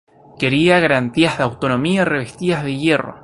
Quería "garantías de autonomía revestidas de hierro".